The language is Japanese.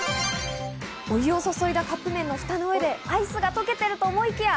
お湯を注いだカップ麺のフタの上でアイスが溶けていると思いきや。